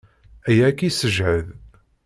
Aya ad k-yessejhed.